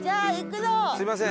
すみません。